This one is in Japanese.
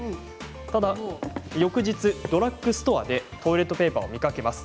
ただ翌日ドラッグストアでトイレットペーパーを見かけます。